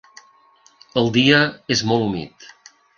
El dia és molt humit.